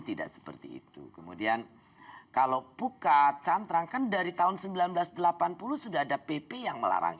tidak seperti itu kemudian kalau puka cantrang kan dari tahun seribu sembilan ratus delapan puluh sudah ada pp yang melarang